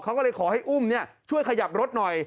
เขาก็เลยขอให้อุ้มช่วยขยับรถหน่อย